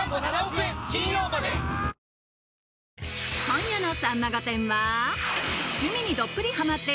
今夜の